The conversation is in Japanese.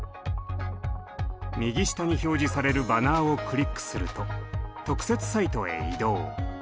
右下に表示されるバナーをクリックすると特設サイトへ移動。